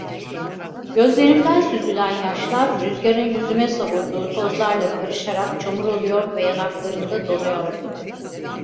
Gözlerimden süzülen yaşlar rüzgarın yüzüme savurduğu tozlarla karışarak çamur oluyor ve yanaklarımda donuyordu.